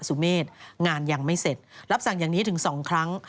เมษงานยังไม่เสร็จรับสั่งอย่างนี้ถึง๒ครั้ง